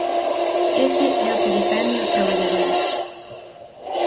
Ese é o que defende os traballadores.